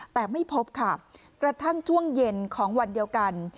แต่ไม่พบค่ะกระทั่งช่วงเย็นของวันเดียวกัน